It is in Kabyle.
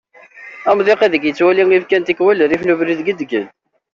Amḍiq ideg yettwali ibkan tikwal rrif n ubrid gedged.